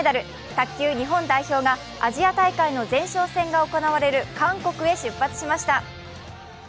卓球日本代表がアジア大会の前哨戦が行われる韓国に出発しました。